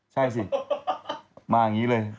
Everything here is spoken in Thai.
ใช่สิมาอย่างนี้เลย